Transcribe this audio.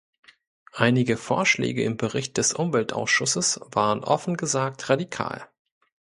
Einige Vorschläge im Bericht des Umweltausschusses waren offen gesagt radikal.